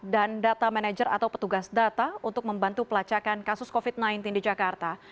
dan data manager atau petugas data untuk membantu pelacakan kasus covid sembilan belas di jakarta